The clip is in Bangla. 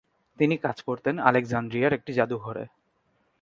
তিনি কাজ করতেন আলেকজান্দ্রিয়ার একটি জাদুঘরে।